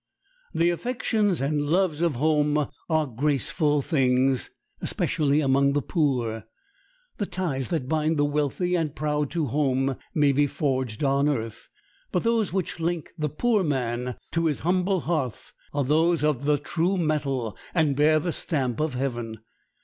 The affections and loves of home are graceful things, especially among the poor. The ties that bind the wealthy and proud to home may be forged on earth, but those which link the poor man to his humble hearth are of the true metal, and bear the stamp of heaven.